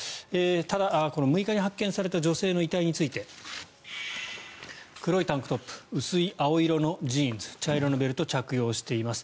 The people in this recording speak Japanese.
ただ、６日に発見された女性の遺体について黒いタンクトップ薄い青色のジーンズ茶色のベルトを着用しています。